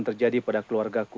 terjadi pada keluarga ku